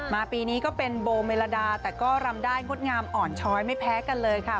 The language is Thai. ปีนี้ก็เป็นโบเมลดาแต่ก็รำได้งดงามอ่อนช้อยไม่แพ้กันเลยค่ะ